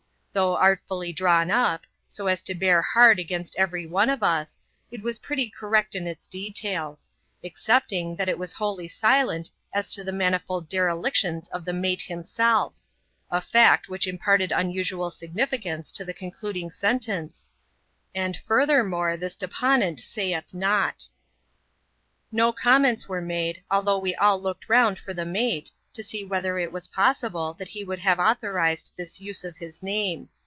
Though tfully drawn up, so as to bear hard against every one of us, was pretty correct in the details *, excepting, that it was bolly silent as to the manifold derelictions of the mate him If — a fact which imparted unusual significance to the con uding sentence, "And furthermore, this deponent sayeth )t" No comments were made, although we all looked round for le mate, to see whether it was possible that he would have ithorised this use of his name.